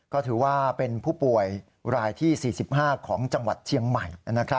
ก็ถือว่าเป็นผู้ป่วยรายที่๔๕ของจังหวัดเชียงใหม่